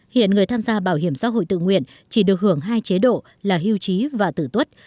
hiện người tham gia bảo hiểm xã hội tự nguyện chỉ được hưởng hai chế độ là hưu trí và tử tuất